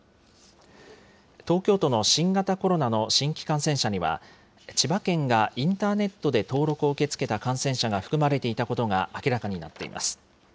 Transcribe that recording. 東京都の新型コロナの新規感染者には、千葉県がインターネットで登録を受け付けた感染者が含まれていたことが明らかになっています。